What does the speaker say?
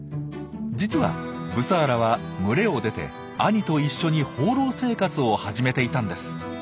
実はブサーラは群れを出て兄と一緒に放浪生活を始めていたんです。